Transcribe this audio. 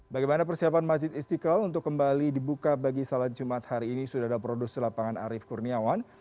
bagaimana persiapan masjid istiqlal untuk kembali dibuka bagi salat jumat hari ini sudah ada produser lapangan arief kurniawan